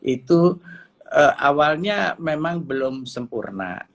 itu awalnya memang belum sempurna